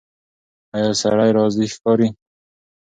ایا سړی راضي ښکاري؟